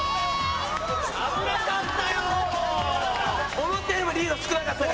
危なかったよ！